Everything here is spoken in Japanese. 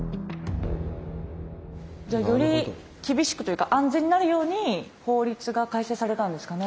じゃあより厳しくというか安全になるように法律が改正されたんですかね。